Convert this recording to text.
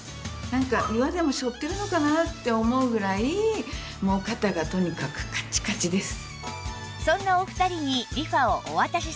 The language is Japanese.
なんか岩でも背負ってるのかな？って思うぐらいもう肩がとにかくカチカチです。